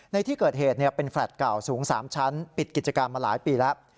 ในที่เกิดเหตุเป็นแฟลต์เก่าสูง๓ชั้นปิดกิจการมาหลายปีแล้ว